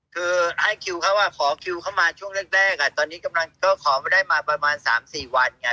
คือให้คิวเขาขอคิวเข้ามาช่วงแรกตอนนี้กำลังก็ขอไม่ได้มาประมาณ๓๔วันไง